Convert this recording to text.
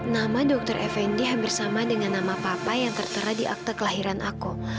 nama dokter fnd hampir sama dengan nama papa yang tertera di akte kelahiran aku